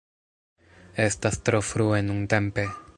Estas tro frue nuntempe.